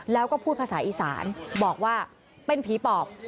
แล้วก็พูดภาษาอีสานบอกว่าเป็นผีปอบ